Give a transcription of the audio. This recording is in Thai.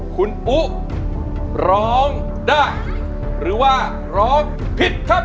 คุณปุ๊ร้องได้หรือว่าร้องผิดครับ